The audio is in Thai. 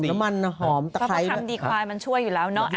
น้ำมันหอมตะค์ทำดีควายมันช่วยอยู่แล้วเนอะ